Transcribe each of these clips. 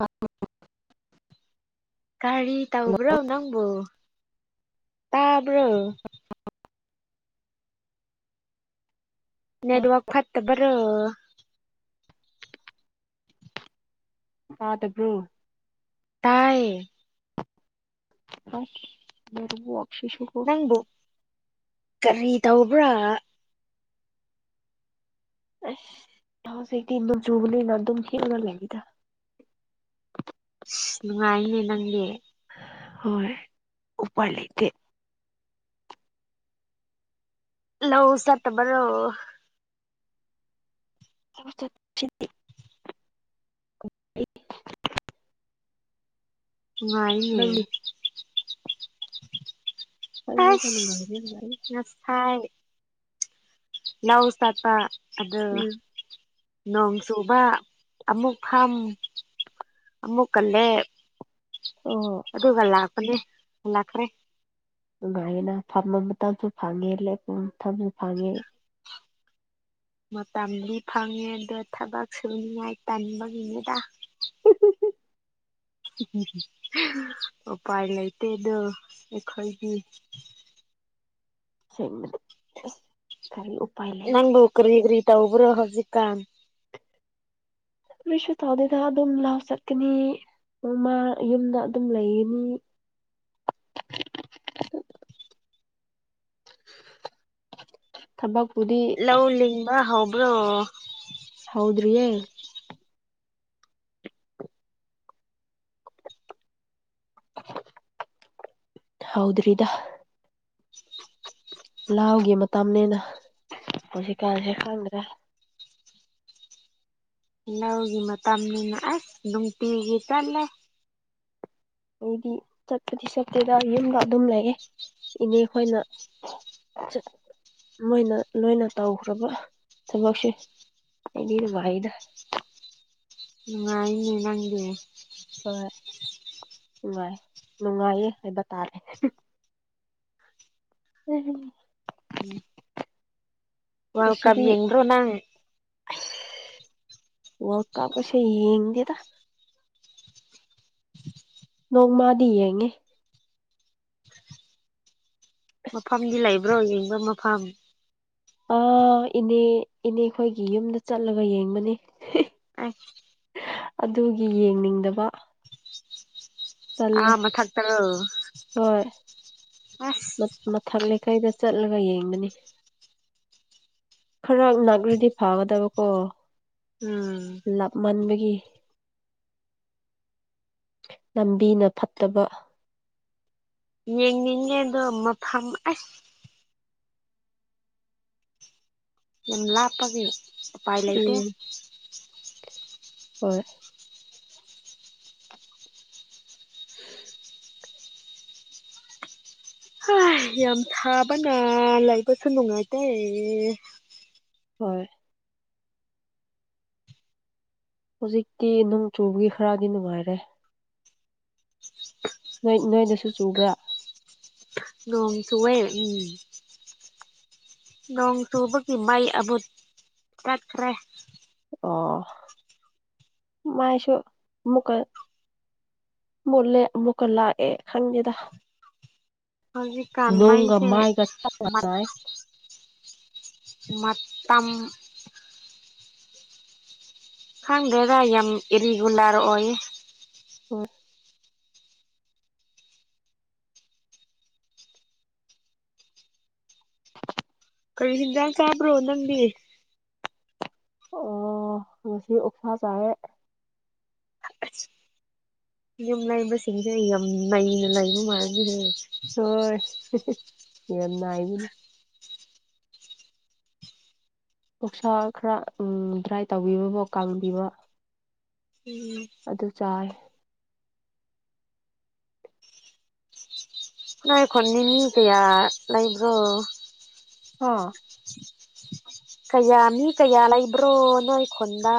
ꯑ ꯀꯔꯤ ꯇꯥꯎꯕ꯭ꯔꯣ ꯅꯪꯕꯣ ꯇꯥꯕ꯭ꯔꯣ [inaudible] ꯍꯜꯂꯣ ꯅꯦꯠꯋꯥꯥꯛ ꯐꯠꯇꯕꯔꯣ ꯑꯥꯗꯕ꯭ꯔꯣ ꯇꯑꯌꯦꯦ ꯃꯔꯕꯨꯛꯁꯤꯁꯨꯨ ꯀꯣ ꯅꯪꯕꯨ ꯀꯔꯤ ꯇꯧꯕ꯭ꯔꯥ ꯑ ꯍꯁꯗꯤ ꯏ ꯆꯨꯕꯂꯤꯅ ꯑꯗꯨꯝ ꯍꯅ ꯂꯩꯕꯤꯗ [inaudible] ꯑ ꯅꯨꯡꯉꯥꯏꯅꯦ ꯅꯪꯅꯦ ꯍꯣꯏ ꯎꯄꯔ ꯂꯩꯇꯦ ꯂ ꯎ ꯁꯠꯇꯕꯔꯣ ꯁꯤ ꯎ ꯉꯏꯌꯦ ꯅꯪꯅꯤꯗ ꯑꯁ ꯅꯨꯡꯉꯥꯏꯕ ꯅꯁꯥꯏ ꯂꯎ ꯁꯥꯥꯄ ꯑꯗ ꯎꯝ ꯅꯣꯡ ꯆꯨꯕ ꯑꯃꯨꯛ ꯐꯝ ꯑꯃꯨꯛ ꯀꯜꯂꯦ ꯑꯣ ꯑꯗꯨꯒ ꯂꯥꯛꯀꯅꯦꯦꯜꯈ꯭ꯔꯦ ꯅꯨꯡꯉꯥꯏꯅ ꯐꯝꯕ ꯃꯇꯝꯁꯨ ꯐꯪꯉꯦ ꯂꯦꯛꯄ ꯃꯇꯝꯁꯨ ꯐꯪꯉꯦ ꯃꯇꯝꯗꯤ ꯐꯪꯉꯦꯗꯣ ꯊꯕꯛ ꯁꯨꯅꯤꯉꯥꯏ ꯇꯟꯕꯒꯤꯅꯦꯗ ꯎ ꯑꯣ ꯄꯥꯏ ꯂꯩ ꯇꯗ ꯑꯦ ꯍꯜꯒꯤ ꯁꯗꯤ ꯅꯪꯕꯣꯛ ꯀꯔꯤ ꯀꯔꯤ ꯇ ꯎꯕ꯭ꯔꯣ ꯍꯧꯞꯖꯤ ꯀꯥꯟ ꯅꯣꯏꯁꯨ ꯇꯧꯗꯦꯗ ꯑꯗꯨꯝ ꯂꯥꯎ ꯆꯠꯀꯅꯤ ꯎꯃꯥ ꯌꯨꯝꯗ ꯑꯗꯨꯝ ꯂꯩꯒꯅꯤ ꯊꯕꯛꯕꯨꯗꯤ ꯑ ꯍꯕ꯭ꯔꯣ ꯍꯥꯎꯗ꯭ꯔꯤꯌꯦꯦ ꯍꯥꯎꯗ꯭ꯔꯔꯤꯗ ꯂꯥꯎꯒꯤ ꯃꯇꯝꯅꯤꯅꯦꯅ ꯍꯧꯖꯤꯛꯀꯥꯟꯁꯦ ꯈꯪꯗ꯭ꯔꯦ ꯂ ꯂꯧꯥꯎꯒꯤ ꯃꯇꯇꯥꯥꯡ ꯃ ꯂꯨꯡꯇꯤꯒꯤ ꯆꯥꯂꯦ ꯑꯩꯗꯤ ꯆꯠꯄꯗꯤ ꯆꯠꯇꯦꯗ ꯌꯨꯝꯗ ꯑꯗꯨꯝ ꯂꯩꯌꯦꯦ ꯏꯅꯦ ꯑꯩꯈꯣꯏꯅ ꯃꯣꯏꯅ ꯂꯣꯏꯅ ꯇꯧꯈ꯭ꯔꯕ ꯊꯕꯛꯁꯦ ꯑꯩꯗꯤꯗꯤ ꯋꯥꯍꯤꯗ ꯎ ꯏꯅꯤ ꯅꯪꯦ ꯍꯣꯏ ꯅꯨꯡꯉꯥꯏ ꯅꯨꯡꯉꯥꯏꯌꯦ ꯍꯥꯏꯕ ꯇꯥꯔꯦ ꯎꯝ ꯎꯝ ꯋꯥꯔꯜꯗ ꯀꯞ ꯉꯁꯤꯗꯤ ꯌꯦꯡꯕ꯭ꯔꯣ ꯅꯪ ꯋꯥ ꯀꯥꯝ ꯀꯁ ꯌꯦꯡꯗꯦꯗ ꯅꯣꯡꯃꯗꯤ ꯌꯦꯡꯉꯦ ꯃꯐꯝꯗꯤ ꯂꯩꯕ꯭ꯔꯣ ꯌꯦꯤꯡꯕ ꯃꯐꯝ ꯑꯥ ꯏꯅꯦ ꯏꯅꯦ ꯑꯩꯈꯣꯏꯒꯤ ꯌꯨꯝꯗ ꯆꯠꯂꯒ ꯌꯦꯡꯕꯅꯦ ꯑ ꯑꯗꯨꯒꯤ ꯌꯦꯡꯅꯤꯡꯗꯕ ꯑ ꯇꯜꯂꯦ ꯃ ꯊꯥꯛ ꯇꯔꯣ ꯍꯣꯏ ꯃꯊꯛ ꯂꯩꯀꯥꯏꯗ ꯆꯠꯂꯒ ꯌꯦꯡꯕꯅꯤ ꯈꯔ ꯅꯛꯂꯗꯤ ꯐꯒꯗꯕꯀꯣ ꯎꯝ ꯂꯥꯞꯃꯟꯕꯒꯤ ꯂꯝꯕꯤꯅ ꯐꯠꯇꯕ ꯌꯦꯦꯦꯜꯗ ꯃꯄꯥꯥꯝꯥꯏ ꯌꯥꯝ ꯂꯥꯞꯄꯒꯤ ꯎꯄꯥꯏ ꯂꯩꯇꯦ ꯎꯝ ꯍꯣꯏ [unintelligible] ꯍ ꯌꯥꯝ ꯊꯥꯕꯅ ꯂꯩꯕꯁꯨ ꯅꯨꯡꯉꯥꯏꯇꯦꯌꯦ ꯍꯣꯏ ꯍꯧꯖꯤꯛꯇꯤ ꯅꯣꯡ ꯆꯨꯕꯒꯤ ꯈꯔꯗꯤ ꯅꯨꯡꯉꯥꯏꯔꯦ ꯅꯣꯏ ꯅꯣꯏꯗꯁꯨ ꯆꯨꯕ꯭ꯔꯥ ꯑꯣ ꯆꯕ ꯎꯝ ꯅꯣꯡ ꯆꯨꯕꯒꯤ ꯃꯩ ꯑꯗꯨꯕꯨ ꯆꯠꯈ꯭ꯔꯦ ꯑꯣ ꯃꯥꯏꯁꯣ ꯃꯨꯀ ꯃꯣꯂꯦ ꯑꯃꯨꯀ ꯂꯥꯛ ꯑꯦ ꯈꯪꯉꯗ ꯍꯧꯖꯤꯛꯀꯥꯟ ꯂꯣꯡꯒ ꯃꯩꯁꯦ ꯃꯥꯏꯒ ꯆ ꯃꯠ ꯇꯏ ꯃꯇꯝ ꯈꯪꯗ꯭ꯔꯦꯗ ꯌꯥꯝ ꯏꯔꯤꯒꯨꯂꯔ ꯑꯣꯏ ꯍ ꯀꯔꯤ ꯍꯤꯟꯖꯥꯡ ꯆꯥꯕ꯭ꯔꯣ ꯅꯪꯗꯤ ꯑꯣ ꯉ ꯑꯣꯛꯁꯥ ꯆꯥꯏꯔꯦ ꯑꯁ ꯌꯨꯝ ꯂꯩꯕꯁꯤꯡꯁꯦ ꯑꯩ ꯌꯥꯝ ꯂꯩꯅ ꯂꯩꯕ ꯃꯥꯅꯁꯅꯦꯦ ꯍꯣꯏ ꯌꯥꯝ ꯏꯕꯅꯤ ꯄꯧꯁꯥ ꯈꯔ ꯎ ꯗ꯭ꯔꯥꯏ ꯇꯧꯕꯤꯕꯕꯣ ꯀꯥꯡꯪꯕꯤꯕ ꯎꯝ ꯑꯗꯨ ꯆꯥꯏ ꯅ ꯑꯩ ꯈꯣꯟꯅꯤ ꯀꯌꯥ ꯂꯩꯕ꯭ꯔꯣ ꯑ ꯀꯌꯥ ꯃꯤ ꯀꯌꯥ ꯂꯩꯕ꯭ꯔꯣ ꯅꯣꯏ ꯈꯨꯣꯟꯗ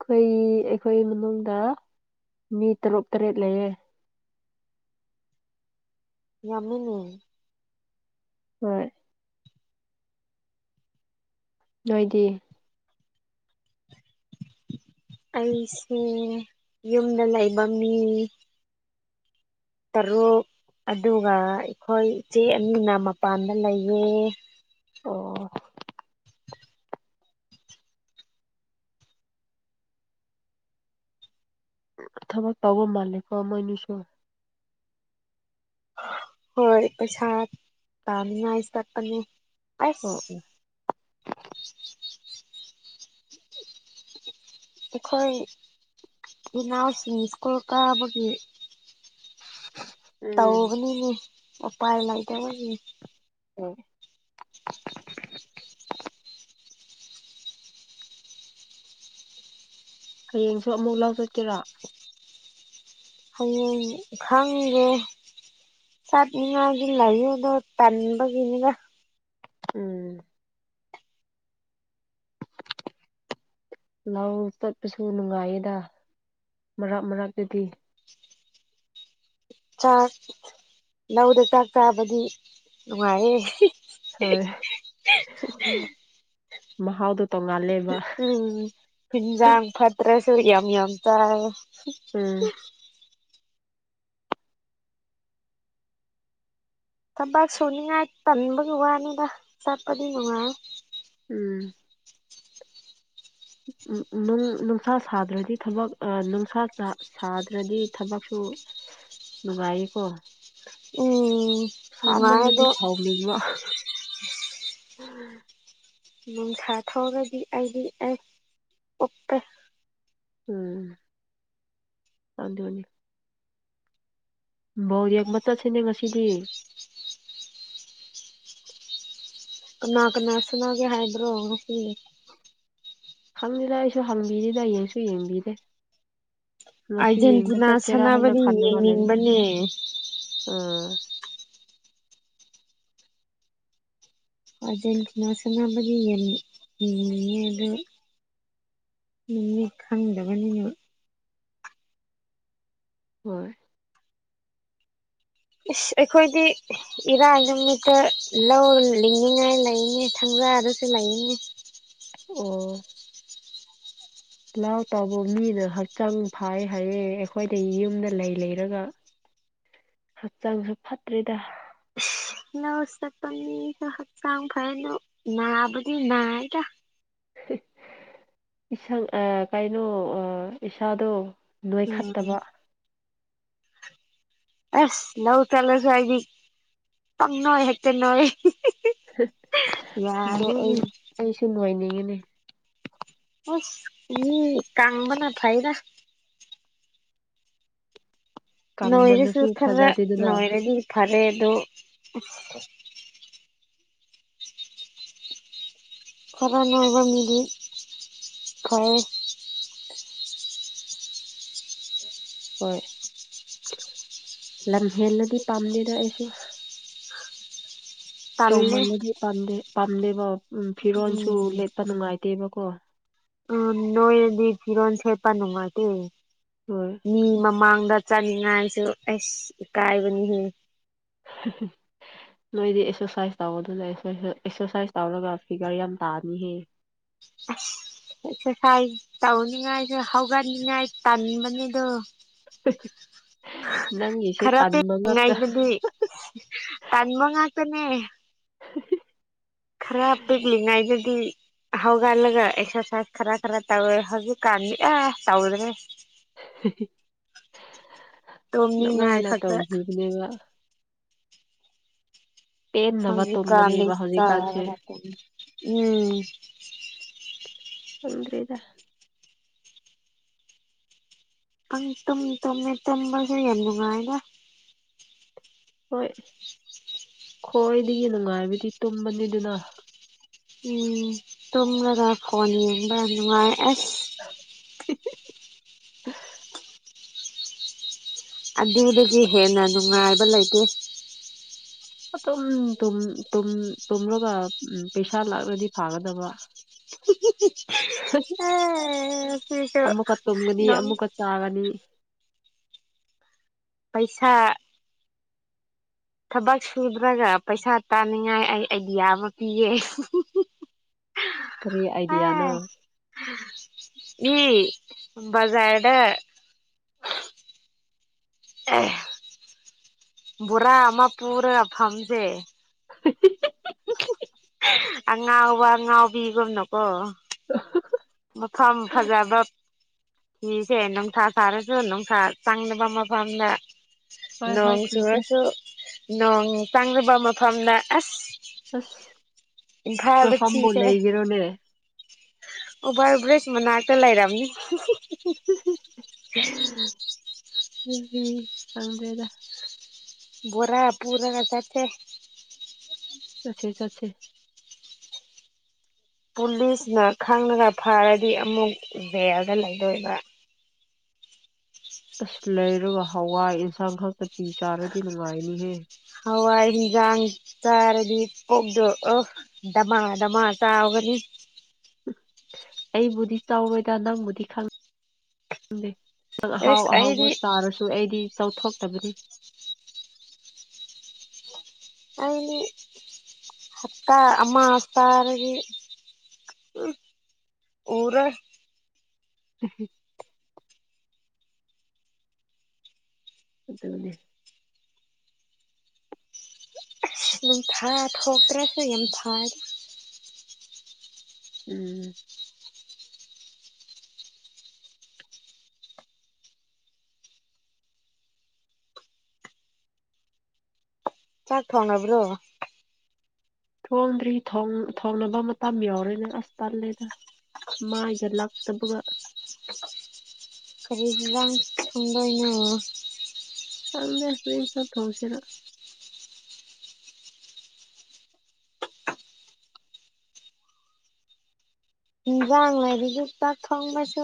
ꯑꯩꯈꯣꯏ ꯑꯩꯈꯣꯏ ꯃꯅꯨꯡꯗ ꯃꯤ ꯇꯔꯨꯛ ꯇꯔꯦꯠ ꯂꯩꯌꯦꯦ ꯌꯥꯝꯃꯤꯟꯅ ꯍꯣꯏ ꯅꯣꯏꯗꯤ ꯑꯩꯁꯦ ꯌꯨꯝꯗ ꯂꯩꯕ ꯃꯤ ꯇꯔꯨ ꯑꯗꯨꯒ ꯑꯩꯈꯣꯏ ꯏꯆꯦ ꯑꯅꯤꯅ ꯃꯄꯥꯟꯗ ꯂꯩꯑ ꯑꯣ ꯊꯕꯛ ꯇꯧꯕ ꯃꯥꯜꯂꯦꯀꯣ ꯃꯣꯏꯅꯤꯁꯨ ꯍꯣꯏ ꯄꯁꯥꯠ ꯇꯃꯤꯉꯁ ꯇꯄꯅꯤ ꯑꯣ ꯑꯣ ꯑꯩꯈꯣꯏ ꯅꯥꯎꯁꯤꯡ ꯁꯀꯨꯜ ꯀꯥꯕꯒꯤ ꯎꯝ ꯇꯧꯕꯅꯤꯅꯦ ꯎꯄꯥꯏ ꯂꯩꯇꯕꯒꯤ ꯎꯝ ꯍꯌꯦꯡꯁꯨ ꯑꯃꯨꯛ ꯂꯥꯎ ꯆꯠꯀꯦꯔꯥ ꯍꯌꯦꯡ ꯈꯪꯒꯦ ꯆꯠꯅꯤꯡꯉꯥꯏꯒꯤ ꯂꯩꯌꯣꯗꯣ ꯇꯟꯕꯒꯤꯅꯤꯗ ꯎꯝ [unintelligible] ꯂꯧ ꯆꯠꯄꯁꯨ ꯅꯨꯡꯉꯥꯏꯌꯦꯗ ꯃꯔꯛ ꯃꯔꯥꯛꯇꯨꯗꯤ ꯆꯥꯛ ꯂꯧꯗ ꯆꯥꯛ ꯆꯥꯕꯗꯤ ꯅꯨꯡꯉꯥꯏꯌꯦꯦ ꯍꯣꯏ ꯃꯍꯥꯎꯗꯣ ꯇꯣꯡꯉꯥꯜꯂꯦꯕ ꯎꯝ ꯍꯤꯟꯖꯥꯡ ꯐꯠꯇ꯭ꯔꯁ ꯊꯔꯤꯌꯥ ꯑꯃ ꯌꯥꯝ ꯇ ꯎꯝ ꯊꯕꯥꯛ ꯁꯨꯅꯤꯡꯉꯥꯏ ꯇꯟꯕꯒꯤ ꯋꯥꯅꯤꯗ ꯆꯠꯄꯗꯤ ꯅꯨꯡꯉꯥꯏ ꯎꯝ ꯎꯝ ꯅꯨꯡꯁꯥ ꯁꯥꯗ꯭ꯔꯗꯤ ꯊꯕꯛ ꯅꯨꯡꯁꯥ ꯁꯥꯗ꯭ꯔꯗꯤ ꯊꯕꯛꯁꯨ ꯅꯨꯡꯚꯏꯀꯣ ꯎꯝ ꯅꯨꯡꯉꯥꯏ ꯁꯥꯝꯕꯜꯅꯗꯤ ꯑꯗꯣ ꯆꯥꯎꯂꯤꯉꯃ ꯎꯝ ꯅꯨꯡꯁꯥ ꯊꯑꯒꯗꯤ ꯑꯩꯗꯤ ꯑꯩ ꯎꯄꯦ ꯎꯝ ꯋꯥ ꯋꯥꯅꯤ ꯧ ꯌꯦꯛꯕ ꯆꯠꯁꯤꯅꯦ ꯉꯁꯤꯗꯤ ꯀꯅꯥ ꯀꯅꯥ ꯁꯅꯒꯦ ꯍꯥꯏꯕ꯭ꯔꯣ ꯉꯁꯤꯅꯦ ꯈꯪꯅꯤ ꯂ ꯑꯩꯁꯨ ꯍꯪꯕꯤꯔꯤꯗꯌꯦꯡꯁꯨ ꯌꯦꯡꯕꯤꯔꯦ ꯃꯁꯤ ꯌꯦꯡꯕ ꯑꯥꯔꯖꯦꯟꯇꯤꯅꯥ ꯆꯠꯁꯤꯦꯔꯥ ꯍꯥꯏꯅ ꯁꯥꯟꯅꯕꯗꯤ ꯈꯜꯂꯒ ꯂꯩꯗꯅ ꯌꯦꯡꯅꯤꯡꯕꯅꯦ ꯎꯥ ꯑꯔꯖꯦꯟꯇꯤꯅꯥ ꯁꯅꯕꯗꯤ ꯌꯦꯅꯤ ꯎꯝ ꯌꯦ ꯑꯗꯨ ꯃꯤ ꯃꯤ ꯈꯪꯗꯕꯅꯤꯅ ꯍꯣꯏ ꯑꯁ ꯑꯩꯈꯣꯏꯗꯤ ꯏꯔꯥꯏ ꯅꯨꯃꯤꯠꯇ ꯂꯧ ꯂꯤꯡꯅꯤꯉꯥꯏ ꯂꯩꯅꯤ ꯊꯝꯅꯤꯡ ꯖꯥ ꯔꯁꯦ ꯂꯥꯏꯅꯤ [unintelligible] ꯂꯥꯎ ꯇꯥꯎꯕ ꯃꯤꯅ ꯍꯛꯆꯥꯡ ꯐꯥꯏ ꯍꯥꯏꯌꯦ ꯑꯩꯈꯣꯏꯗ ꯌꯨꯝꯗ ꯂꯩ ꯂꯩꯔꯒ ꯍꯛꯆꯥꯡꯁꯨ ꯐꯠꯇ꯭ꯔꯤꯗ ꯂꯧꯎ ꯆꯠꯄ ꯃꯤꯁꯨ ꯍꯛꯆꯥꯡ ꯐꯔꯗꯣ ꯅꯥꯕꯨꯗꯤ ꯅꯥꯏꯗ ꯏꯁꯪ ꯑ ꯀꯩꯅꯣ ꯑ ꯏꯁꯥꯗꯣ ꯎꯝ ꯅꯣꯏꯈꯠꯇꯕ ꯑꯁ ꯂꯎ ꯇꯂꯁꯨ ꯍꯥꯏ ꯇꯪꯅꯣꯣꯏ ꯍꯛꯇꯦ ꯅꯣꯦ ꯑꯩꯁꯨ ꯅꯨꯡꯉꯥꯏꯅꯤꯡꯉꯤꯅꯦ ꯍꯁ ꯃꯤ ꯀꯝꯕꯅ ꯐꯥꯏꯗ ꯅꯣꯏꯔ ꯀꯪꯃꯟꯅꯁꯨ ꯁꯨꯔ ꯈꯔ ꯐꯖꯗꯦꯗꯅ ꯅꯣꯏꯔꯗꯤ ꯐꯔꯦ ꯗꯣ ꯈꯔꯥ ꯅꯥꯒꯥꯝꯗꯤ ꯀꯦ ꯍꯣꯏ ꯂꯝ ꯍꯦꯜꯂꯗꯤ ꯄꯥꯝꯗꯦꯗ ꯑꯩꯁꯨ ꯇꯜꯂꯦ ꯆꯧꯃꯜꯂꯗꯤꯗꯦ ꯄꯥꯝꯗꯦꯕ ꯎ ꯐꯤꯔꯣꯜꯁꯨ ꯎꯝ ꯂꯦꯠꯄ ꯅꯨꯡꯉꯥꯏꯇꯦꯕ ꯀ ꯎꯝ ꯅꯣꯏꯗꯤ ꯐꯤꯔꯣ ꯁꯦꯠꯄ ꯅꯨꯡꯉꯥꯏꯇꯦ ꯍꯣꯏ ꯃꯤ ꯃꯃꯥꯡ ꯗ ꯆꯥꯅꯤꯡꯉꯥꯏꯁꯨ ꯑꯩꯁ ꯏ ꯀꯥꯏꯕꯅꯤꯍꯦ ꯎ ꯅꯣꯏꯗꯤ ꯑꯦꯛꯁꯔꯁꯥꯏꯁ ꯇꯧ ꯑꯗꯨꯅ ꯑꯦꯛꯁꯔꯁꯥꯏꯁ ꯇꯧꯔꯒ ꯐꯤꯒꯔ ꯌꯥꯝ ꯇꯥꯅꯤꯍꯦ ꯑ ꯑꯦꯛꯁꯔꯁꯥꯏꯁ ꯇꯧꯅꯤꯡꯉꯥꯏꯁꯨ ꯍꯧꯒꯠꯅꯤꯡꯉꯥꯏ ꯇꯟꯕꯅꯤꯗꯣ [inaudible] ꯅꯪꯒꯤꯁꯦ ꯈꯔ ꯇꯟꯕ ꯉꯥꯛꯇ ꯄꯦꯟꯉꯥꯏꯗꯗꯤ ꯇꯥꯟꯕ ꯉꯥꯛꯇꯅꯦ [inaudible] ꯈꯔ ꯄꯤꯛꯂꯤꯉꯩꯗꯗꯤ ꯍꯒꯑꯜꯒ ꯑꯦꯛꯁꯔꯁꯥꯏꯁ ꯈꯔ ꯈꯔ ꯇꯧ ꯍ ꯀꯥꯟꯌꯥ ꯇꯧꯗ꯭ꯔꯦ ꯇꯨꯝꯅꯤꯡꯉꯥꯏ ꯅꯨꯡꯉꯥꯏꯅ ꯈꯛꯇ ꯇꯧꯈꯤꯕꯈꯤꯕꯅꯦꯕ ꯄꯦꯟꯅꯕ ꯍꯧꯖꯤ ꯀꯥꯟ ꯎꯝ ꯇꯨꯝꯕꯅꯦꯕ ꯍꯧꯖꯤꯛꯀꯥꯟꯁꯦ ꯊꯗꯔꯤꯗ ꯑꯪ ꯇꯨꯝ ꯇꯨꯝꯃꯦ ꯇꯝꯕꯁꯨꯦ ꯌꯥꯝ ꯅꯨꯡꯉꯥꯏꯗ ꯍꯣꯏ ꯈꯣꯏꯗꯒꯤ ꯅꯨꯡꯉꯥꯏꯕꯗꯤ ꯇꯨꯝꯕꯅꯤꯗꯅ ꯎꯝ ꯇꯨꯝꯂꯒ ꯐꯣꯟ ꯌꯦꯡꯕ ꯅꯨꯡꯉꯥꯏ ꯑꯁ ꯍ ꯑꯗꯨꯗꯒꯤ ꯍꯦꯟꯅ ꯅꯨꯡꯉꯥꯏꯕ ꯂꯩꯇꯦ ꯑꯗꯨꯨꯝ ꯇꯨꯝꯂꯒ ꯄꯩꯁꯥ ꯂꯥꯛꯂꯗꯤ ꯐꯥꯒꯗꯕ ꯑꯦ ꯁꯤꯁꯨ ꯑꯃꯨꯛꯀ ꯇꯨꯝꯒꯅꯤ ꯑꯗꯨꯝ ꯑꯃꯨꯛꯀ ꯆꯥꯒꯅꯤ ꯄꯩꯁꯥ ꯊꯕꯛ ꯁꯨꯗ꯭ꯔꯒ ꯄꯩꯁꯥ ꯇꯥꯅꯤꯡꯉꯥꯏ ꯑꯩ ꯑꯥꯏꯗꯤꯌꯥ ꯑꯃ ꯄꯤꯌꯦ ꯀꯔꯤ ꯑꯥ ꯑꯥꯏꯗꯤꯌꯥꯅꯣ ꯏ ꯖꯥꯔꯗ ꯑꯦ ꯕꯣꯔꯥ ꯑꯃ ꯄꯨꯔ ꯐꯝꯁꯦ [inaudible] ꯑꯉꯥꯎꯕ ꯑꯉꯥꯎꯕꯤꯒꯨꯝꯅꯀꯣ [inaudible] ꯃꯐꯝꯐꯝ ꯐꯖꯕ ꯁꯤꯤꯁꯦ ꯅꯨꯡꯊꯥ ꯁꯥꯔꯁꯨ ꯅꯨꯡꯊꯥ ꯆꯪꯅꯕ ꯃꯐꯝꯗ ꯍꯣꯏ ꯍꯣꯏ ꯅꯣꯡ ꯊꯤꯁꯦ ꯆꯨꯔꯁꯨ ꯅꯣꯡ ꯆꯪꯕ ꯃꯐꯝꯗ ꯑꯁ ꯑꯁ ꯐꯔ ꯃꯐꯝꯕꯨ ꯊꯁꯦ ꯂꯩꯒꯦꯔꯣꯅꯦ ꯑꯩ ꯎꯚꯔ ꯕ꯭ꯔꯦꯖ ꯃꯅꯥꯛꯇ ꯂꯩꯔꯝꯅꯤ ꯎ ꯎ ꯆꯪꯗꯦꯗ ꯣꯔꯥ ꯄꯨꯅ ꯆꯇꯦ ꯆꯁꯦ ꯆꯠꯁꯦ ꯄꯨꯂꯤꯁꯅ ꯈꯪꯉꯒ ꯐꯥꯔꯗꯤ ꯑꯃꯨꯛ ꯖꯦꯜꯗ ꯂꯩꯗꯣꯏꯕ꯭ꯔꯥ ꯑꯁ ꯂꯩꯔꯒ ꯍꯋꯥꯏ ꯑꯦꯟꯁꯥꯡ ꯈꯛꯇ ꯄꯤ ꯆꯥꯔꯗꯤ ꯅꯨꯡꯉꯥꯏꯅꯤꯍꯦ ꯍꯒꯥꯡ ꯆꯥꯔꯗꯤ ꯀꯣꯛꯇꯣ ꯑ ꯗꯙꯃꯥ ꯗꯙꯃꯥ ꯆꯥꯒꯅꯤ ꯑꯩꯕꯨꯗꯤ ꯆꯥꯎꯔꯣꯏꯗ ꯅꯪꯕꯨꯗꯤ ꯈ ꯈꯦ ꯪ ꯑꯍꯥꯎ ꯑꯁ ꯑꯍꯥꯎꯕ ꯑꯩꯗꯤ ꯇꯥꯔꯁꯨ ꯑꯩꯗꯤ ꯆꯥꯎꯊꯣꯛꯇꯕꯅꯤ ꯍꯥꯏꯗꯤ ꯍꯞꯇꯥ ꯑꯃ ꯍꯞꯇꯥꯔꯗꯒꯤ ꯎꯝ ꯎꯔ ꯎꯝ ꯑꯗꯨꯗꯅꯦ ꯌ ꯊꯥ ꯊꯣꯛꯄ꯭ꯔꯁꯨ ꯌꯥꯝ ꯊꯥꯔ ꯎꯝ ꯆꯥꯛ ꯊꯣꯡꯉꯕ꯭ꯔꯣ ꯊꯣꯡꯗ꯭ꯔꯤ ꯊꯣꯡꯅꯕ ꯃꯇꯝ ꯌꯎꯔꯦꯅꯦ ꯑꯁ ꯄꯜꯂꯦꯗ ꯃꯥꯏꯒ ꯂꯥꯛꯇꯕꯒ ꯀꯔꯤꯁ ꯂꯥꯡ ꯐꯗ ꯉ ꯆꯗ ꯑꯦꯁꯄꯤꯟꯁ ꯊꯧꯁꯤꯔ ꯏꯟꯖꯥꯡ ꯂꯥꯏꯔꯤ ꯌ ꯄ ꯐꯪꯕꯁꯨ